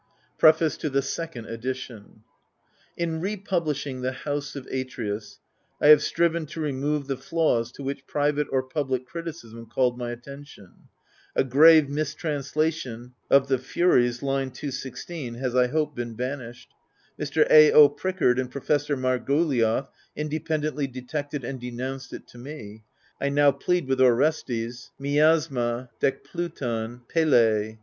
PREFACE TO THE SECOND EDITION In republishing the House of Atreus^ I have striven to remove the flaws to which private or public criticism called my attention. A grave mistransla tion of Choeph., 1. 216, has, I hope, been banished Mr. A. O. Prickard and Professor Margoliouth independently detected and denounced it to me: I now plead, with Orestes — fdoLfftM d* HkitKvtop iriKei